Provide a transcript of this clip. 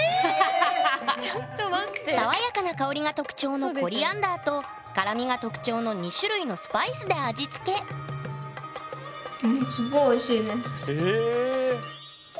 爽やかな香りが特徴のコリアンダーと辛みが特徴の２種類のスパイスで味付けええ！